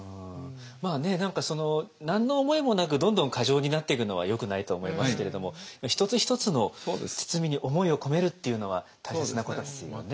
まあね何かその何の思いもなくどんどん過剰になっていくのはよくないと思いますけれども一つ一つの包みに思いを込めるっていうのは大切なことですよね。